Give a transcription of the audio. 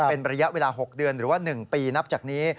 เป็นระยะเวลา๖เดือนหรือว่า๑ปีนับจากนี้